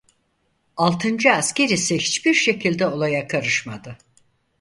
Altıncı asker ise hiçbir şekilde olaya karışmadı.